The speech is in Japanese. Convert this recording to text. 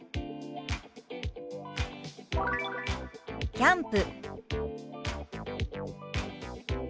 「キャンプ」。